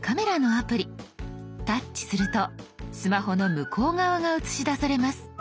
タッチするとスマホの向こう側が写し出されます。